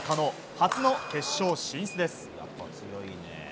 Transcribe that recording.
初の決勝進出です。